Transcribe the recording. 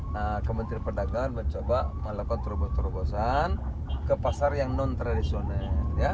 nah kementerian perdagangan mencoba melakukan terobosan terobosan ke pasar yang non tradisional